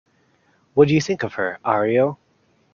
What do you think of her, Ario?